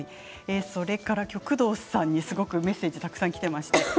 工藤さんにすごくメッセージがたくさんきています。